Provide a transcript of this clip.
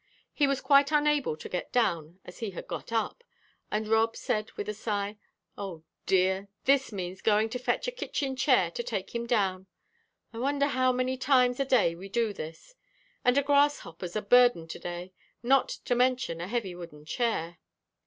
He was quite unable to get down as he had got up, and Rob said with a sigh: "Oh, dear; this means going to fetch a kitchen chair to take him down! I wonder how many times a day we do this? And a grasshopper's a burden to day, not to mention a heavy wooden chair.